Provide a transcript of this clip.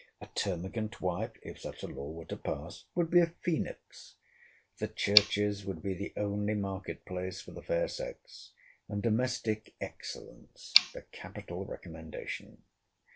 A termagant wife, if such a law were to pass, would be a phoenix. The churches would be the only market place for the fair sex; and domestic excellence the capital recommendation.